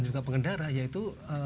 juga pengendara yaitu